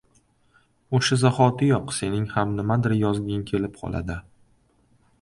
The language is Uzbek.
– oʻsha zahotiyoq sening ham nimadir yozging kelib qoladi.